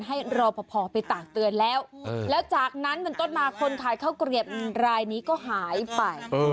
อืออืออืออืออืออืออืออืออือ